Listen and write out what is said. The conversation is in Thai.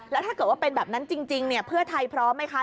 แล้วถ้าเกิดว่าเป็นแบบนั้นจริงเนี่ยเพื่อไทยพร้อมไหมคะ